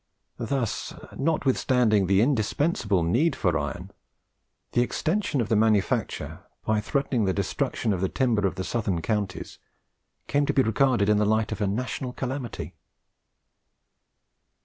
Thus, notwithstanding the indispensable need of iron, the extension of the manufacture, by threatening the destruction of the timber of the southern counties, came to be regarded in the light of a national calamity.